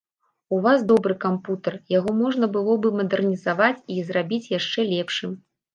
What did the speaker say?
У вас добры кампутар, яго можна было бы мадэрнізаваць і зрабіць яшчэ лепшым.